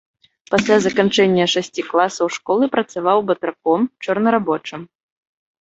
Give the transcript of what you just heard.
Пасля заканчэння шасці класаў школы працаваў батраком, чорнарабочым.